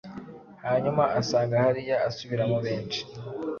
Hanyuma asanga hariya asubiramo benshi